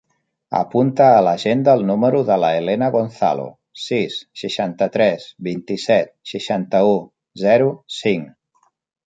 Apunta a l'agenda el número de la Helena Gonzalo: sis, seixanta-tres, vint-i-set, seixanta-u, zero, cinc.